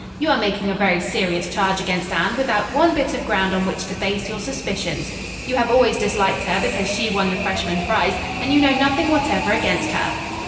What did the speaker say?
"You are making a very serious charge against Anne without one bit of ground on which to base your suspicions. You have always disliked her because she won the freshman prize, and you know nothing whatever against her."